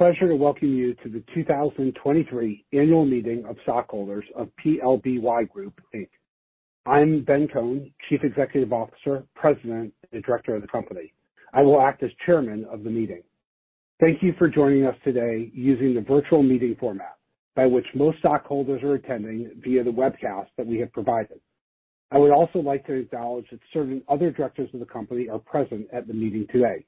Pleasure to welcome you to the 2023 Annual Meeting of Stockholders of PLBY Group, Inc. I'm Ben Kohn, Chief Executive Officer, President, and Director of the Company. I will act as Chairman of the meeting. Thank you for joining us today using the virtual meeting format, by which most stockholders are attending via the webcast that we have provided. I would also like to acknowledge that certain other directors of the company are present at the meeting today.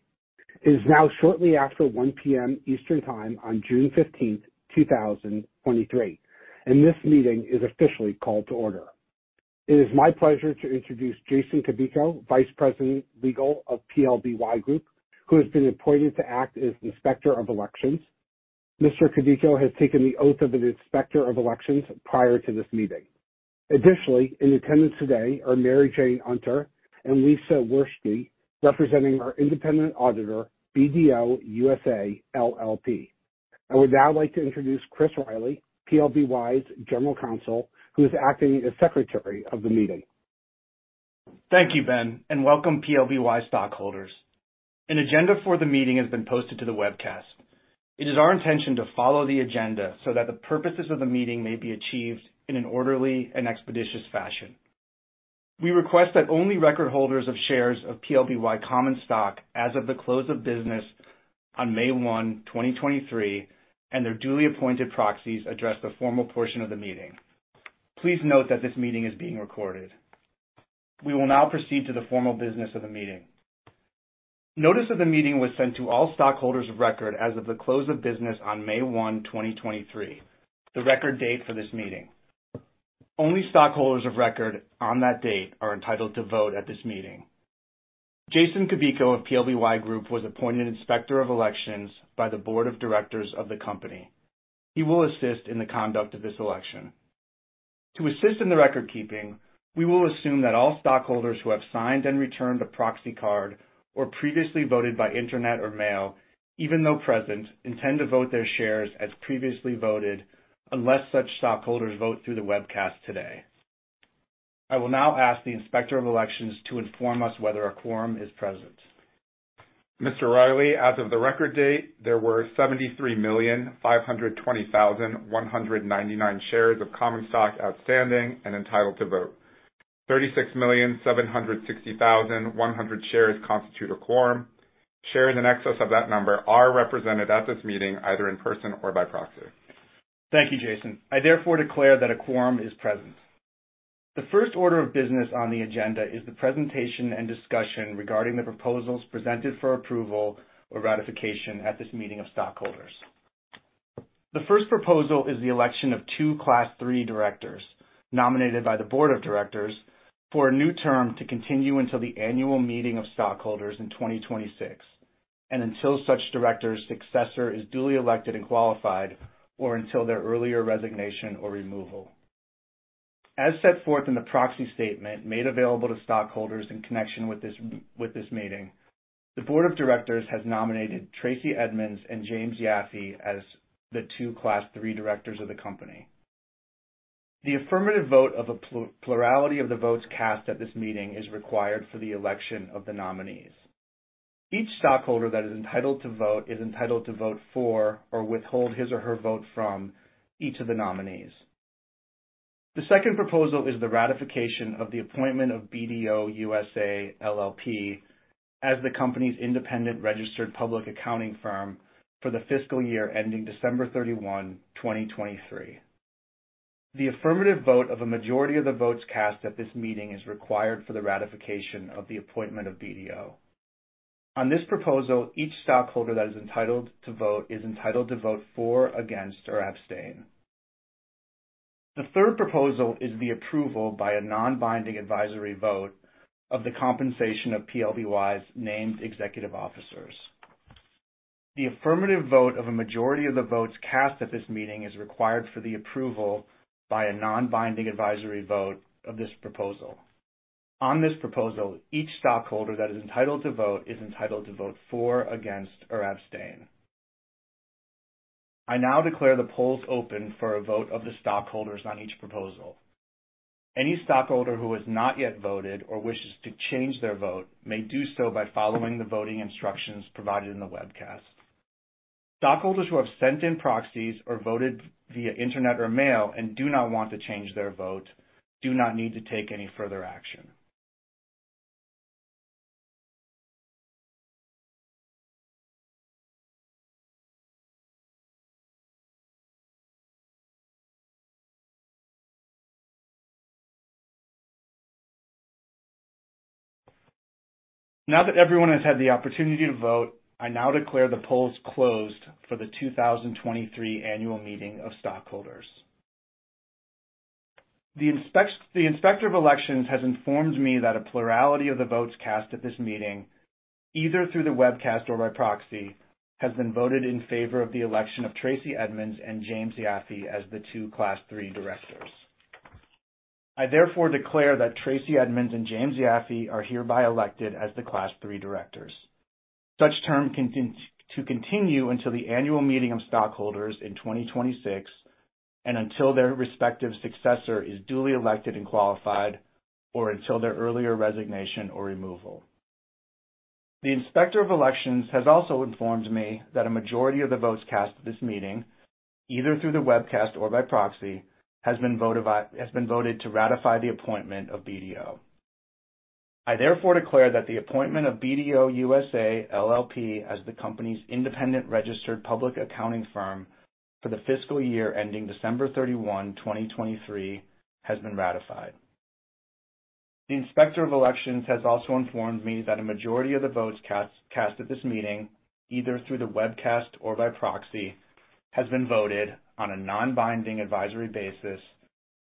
It is now shortly after 1:00 P.M. Eastern Time on June 15, 2023, and this meeting is officially called to order. It is my pleasure to introduce Jason Cabico, Vice President Legal of PLBY Group, who has been appointed to act as Inspector of Elections. Mr. Cabico has taken the oath of an Inspector of Elections prior to this meeting. Additionally, in attendance today are Mary Jane Hunter and Lisa Wurschke, representing our independent auditor, BDO USA, LLP. I would now like to introduce Chris Riley, PLBY's General Counsel, who is acting as Secretary of the meeting. Thank you, Ben, and welcome, PLBY stockholders. An agenda for the meeting has been posted to the webcast. It is our intention to follow the agenda so that the purposes of the meeting may be achieved in an orderly and expeditious fashion. We request that only record holders of shares of PLBY Common Stock, as of the close of business on May 1, 2023, and their duly appointed proxies address the formal portion of the meeting. Please note that this meeting is being recorded. We will now proceed to the formal business of the meeting. Notice of the meeting was sent to all stockholders of record as of the close of business on May 1, 2023, the record date for this meeting. Only stockholders of record on that date are entitled to vote at this meeting. Jason Cabico of PLBY Group was appointed Inspector of Elections by the Board of Directors of the Company. He will assist in the conduct of this election. To assist in the record keeping, we will assume that all stockholders who have signed and returned a proxy card or previously voted by internet or mail, even though present, intend to vote their shares as previously voted unless such stockholders vote through the webcast today. I will now ask the Inspector of Elections to inform us whether a quorum is present. Mr. Riley, as of the record date, there were 73,520,199 shares of Common Stock outstanding and entitled to vote. 36,760,100 shares constitute a quorum. Shares in excess of that number are represented at this meeting either in person or by proxy. Thank you, Jason. I therefore declare that a quorum is present. The first order of business on the agenda is the presentation and discussion regarding the proposals presented for approval or ratification at this meeting of stockholders. The first proposal is the election of two Class III directors nominated by the Board of Directors for a new term to continue until the annual meeting of stockholders in 2026, and until such director's successor is duly elected and qualified, or until their earlier resignation or removal. As set forth in the proxy statement made available to stockholders in connection with this meeting, the Board of Directors has nominated Tracey Edmonds and James Yaffe as the two Class III directors of the company. The affirmative vote of a plurality of the votes cast at this meeting is required for the election of the nominees. Each stockholder that is entitled to vote is entitled to vote for or withhold his or her vote from each of the nominees. The second proposal is the ratification of the appointment of BDO USA, LLP as the company's independent registered public accounting firm for the fiscal year ending December 31, 2023. The affirmative vote of a majority of the votes cast at this meeting is required for the ratification of the appointment of BDO. On this proposal, each stockholder that is entitled to vote is entitled to vote for, against, or abstain. The third proposal is the approval by a non-binding advisory vote of the compensation of PLBY's named executive officers. The affirmative vote of a majority of the votes cast at this meeting is required for the approval by a non-binding advisory vote of this proposal. On this proposal, each stockholder that is entitled to vote is entitled to vote for, against, or abstain. I now declare the polls open for a vote of the stockholders on each proposal. Any stockholder who has not yet voted or wishes to change their vote may do so by following the voting instructions provided in the webcast. Stockholders who have sent in proxies or voted via internet or mail and do not want to change their vote do not need to take any further action. Now that everyone has had the opportunity to vote, I now declare the polls closed for the 2023 Annual Meeting of Stockholders. The Inspector of Elections has informed me that a plurality of the votes cast at this meeting, either through the webcast or by proxy, has been voted in favor of the election of Tracey Edmonds and James Yaffe as the two Class III directors. I therefore declare that Tracey Edmonds and James Yaffe are hereby elected as the Class III directors. Such terms continue until the annual meeting of stockholders in 2026 and until their respective successor is duly elected and qualified, or until their earlier resignation or removal. The Inspector of Elections has also informed me that a majority of the votes cast at this meeting, either through the webcast or by proxy, has been voted to ratify the appointment of BDO. I therefore declare that the appointment of BDO USA, LLP as the company's independent registered public accounting firm for the fiscal year ending December 31, 2023, has been ratified. The Inspector of Elections has also informed me that a majority of the votes cast at this meeting, either through the webcast or by proxy, has been voted on a non-binding advisory basis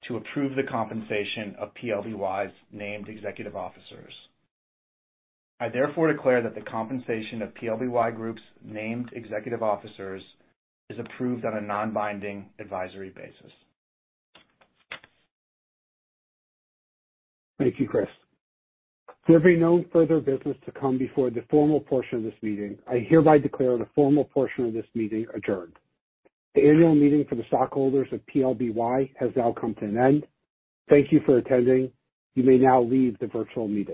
to approve the compensation of PLBY's named executive officers. I therefore declare that the compensation of PLBY Group's named executive officers is approved on a non-binding advisory basis. Thank you, Chris. There being no further business to come before the formal portion of this meeting, I hereby declare the formal portion of this meeting adjourned. The annual meeting for the stockholders of PLBY has now come to an end. Thank you for attending. You may now leave the virtual meeting.